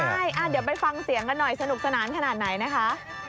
ใช่เดี๋ยวไปฟังเสียงกันหน่อยสนุกสนานขนาดไหนนะคะ